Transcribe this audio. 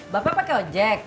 bapak pake ojek